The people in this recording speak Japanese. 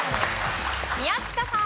宮近さん。